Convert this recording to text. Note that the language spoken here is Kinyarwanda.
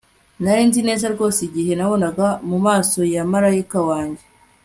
Nari nzi neza rwose igihe nabonaga mumaso ya marayika wanjye